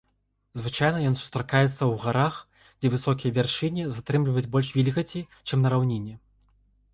Звычайна ён сустракаецца ў гарах, дзе высокія вяршыні затрымліваюць больш вільгаці, чым на раўніне.